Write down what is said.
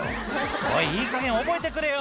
「おいいいかげん覚えてくれよ」